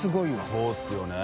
そうですよね。